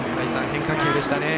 変化球でしたね。